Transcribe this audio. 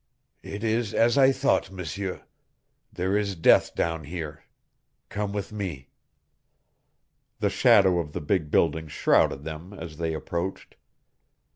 "It is as I thought, M'seur. There is death down here. Come with me!" The shadow of the big building shrouded them as they approached.